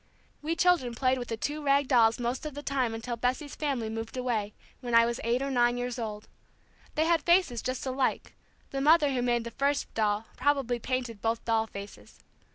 We children played with the two rag dolls most of the time until Bessie's family moved away when I was eight or nine years old. They had faces just alike; the mother who made the first doll probably painted both doll faces.